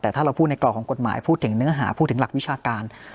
แต่ถ้าเราพูดในกรอบของกฎหมายพูดถึงเนื้อหาพูดถึงหลักวิชาการ